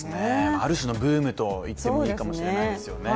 ある種のブームといってもいいかもしれないですよね。